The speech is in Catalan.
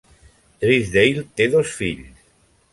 Drysdale té dos fills.